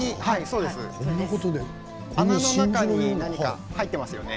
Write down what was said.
穴の中に何か入っていますよね。